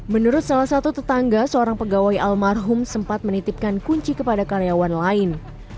menurut salah satu tetangga seorang pegawai almarhum sempat menitipkan kunci kepada karyawan lain